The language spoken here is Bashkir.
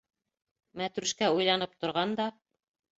Мәтрүшкә уйланып торған да: